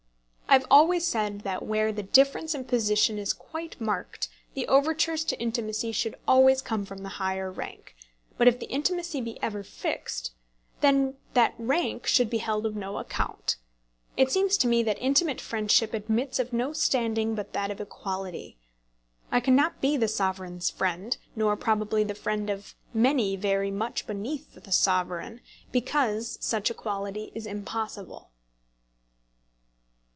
I have always said that where the difference in position is quite marked, the overtures to intimacy should always come from the higher rank; but if the intimacy be ever fixed, then that rank should be held of no account. It seems to me that intimate friendship admits of no standing but that of equality. I cannot be the Sovereign's friend, nor probably the friend of many very much beneath the Sovereign, because such equality is impossible.